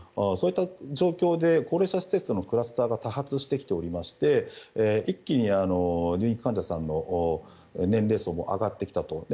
そういった状況で高齢者施設のクラスターが多発してきておりまして一気に入院患者さんの年齢層も上がってきたと。